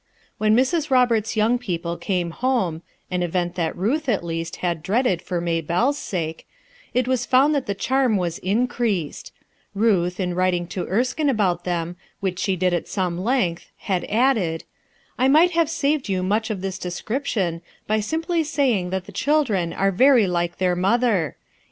When Mrs. Roberts's young people came home — an event that Ruth, at least, had dreaded for Maybelle's sake — it was found that the charm was increased, Ruth, in writing to Erskine about them, which she did at some length, had added: "I might have saved you much of this description, by simpty saying that the children are very like their mother.